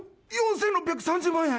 ４６３０万円？